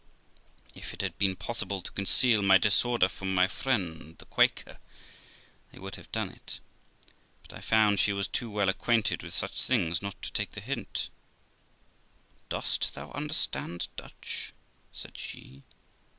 If it had been possible to conceal my disorder from my friend the Quaker, I would have done it, but I found she was too well acquainted with such things not to take the hint. 'Dost thou understand Dutch?' said she.